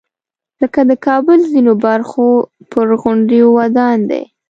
لکه د کابل ځینو برخو پر غونډیو ودان دی.